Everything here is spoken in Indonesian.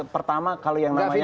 pertama kalau yang namanya